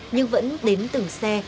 nhưng vẫn đến từng xe